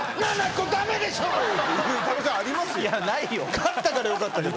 勝ったからよかったけど。